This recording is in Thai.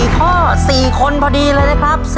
๔ข้อ๔คนพอดีเลยนะครับ